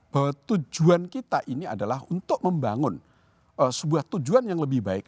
bahwa tujuan kita ini adalah untuk membangun sebuah tujuan yang lebih baik